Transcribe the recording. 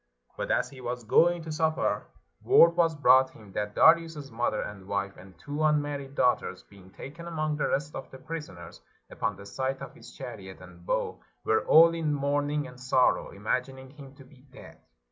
But as he was going to supper, word was brought him that Darius's mother and wife and two unmarried daughters, being taken among the rest of the prisoners, upon the sight of his chariot and bow were all in mourn ing and sorrow, imagining him to be dead.